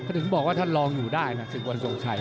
ถึงบอกว่าท่านลองอยู่ได้นะศึกวันทรงชัย